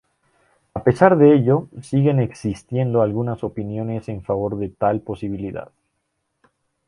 A pesar de ello, siguen existiendo algunas opiniones en favor de tal posibilidad.